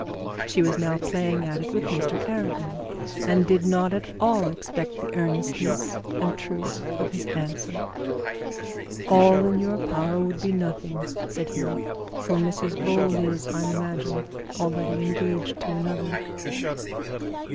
She was now playing at it with Mr Arabin, and did not at all expect the earnestness and truth of his answer. 'All in your power would be nothing,' said he; 'for Mrs Bold is, I imagine, already engaged to another.'